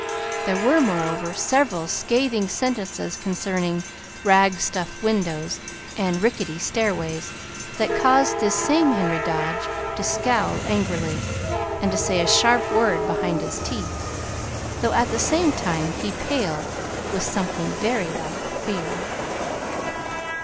There were, moreover, several scathing sentences concerning "rag stuffed windows," and "rickety stairways," that caused this same Henry Dodge to scowl angrily, and to say a sharp word behind his teeth though at the same time he paled with something very like fear.